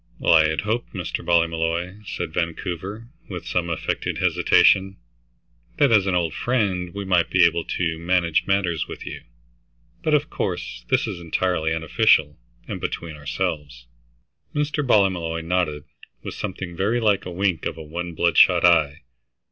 "Well, I had hoped, Mr. Ballmolly," said Vancouver, with some affected hesitation, "that as an old friend, we might be able to manage matters with you. But, of course, this is entirely unofficial, and between ourselves." Mr. Ballymolloy nodded with something very like a wink of one bloodshot eye.